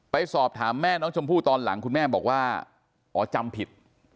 ไปสอบถามแม่น้องชมพู่ตอนหลังคุณแม่บอกว่าอ๋อจำผิด